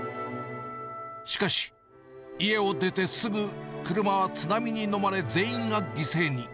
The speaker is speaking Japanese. しかし、家を出てすぐ、車は津波に飲まれ、全員が犠牲に。